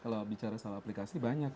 kalau bicara soal aplikasi banyak